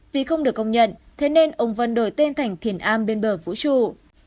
vì không được công nhận thế nên ông vân đổi tên thành thiền a bên bờ vũ trụ